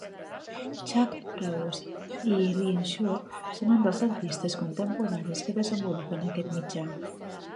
Chuck Close i Lynn Sures són uns dels artistes contemporanis que desenvolupen aquest mitjà.